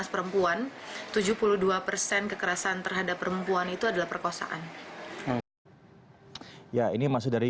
tujuh puluh dua persen kekerasan terhadap perempuan itu adalah perkosaan